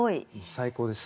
最高です。